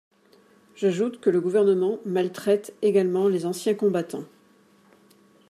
J’ajoute que le Gouvernement maltraite également les anciens combattants.